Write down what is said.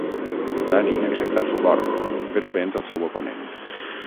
Danny accepta el suborn, però venç el seu oponent.